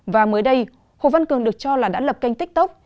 và mới đây hồ văn cường được cho là đã lập kênh tiktok